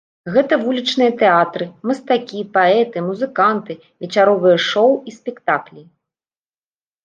Гэта вулічныя тэатры, мастакі, паэты, музыканты, вечаровыя шоў і спектаклі.